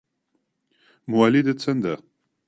موالیدت چەندە؟